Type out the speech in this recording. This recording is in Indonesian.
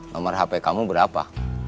nomor hp kamu berapa